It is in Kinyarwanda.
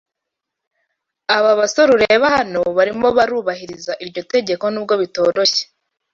Aba basore ureba hano barimo barubahiriza iryo tegeko n’ubwo bitoroshye